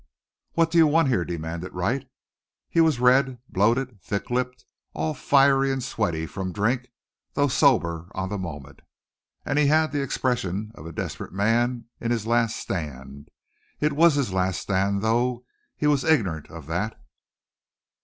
"What do you want here?" demanded Wright. He was red, bloated, thick lipped, all fiery and sweaty from drink, though sober on the moment, and he had the expression of a desperate man in his last stand. It was his last stand, though he was ignorant of that.